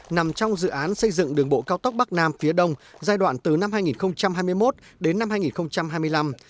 nằm trong dự án xây dựng đường bộ cao tốc bắc nam phía đông giai đoạn từ năm hai nghìn hai mươi một đến năm hai nghìn hai mươi năm